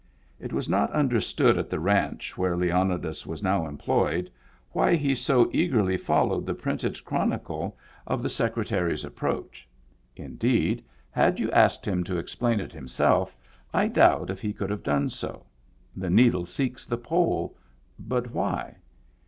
It was not understood at the ranch where Leonidas was now employed, why he so eagerly followed the printed chronicle of the Secretary's Digitized by Google IN THE BACK 121 approach. Indeed, had you asked him to explain it himself, I doubt if he could have done so : the needle seeks the pole — but why?